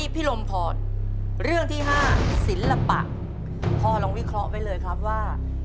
พอลองวิเคราะห์ไว้เลยครับว่า